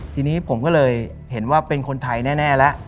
ทีนี้ผมก็เลยเห็นว่าเป็นคนไทยแน่แล้ว